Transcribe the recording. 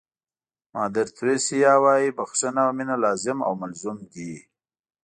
مادر تریسیا وایي بښنه او مینه لازم او ملزوم دي.